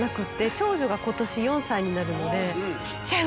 長女が今年４歳になるので。